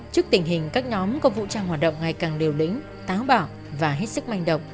trước tình hình các nhóm có vũ trang hoạt động ngày càng liều lĩnh táo bạo và hết sức manh động